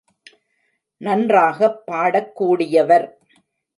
நன்றாகப் பாடக் கூடியவர்.